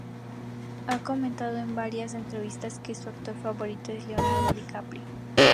Ha comentado en varias entrevistas que su actor favorito es Leonardo DiCaprio.